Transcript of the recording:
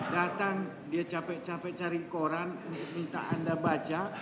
datang dia capek capek cari koran minta anda baca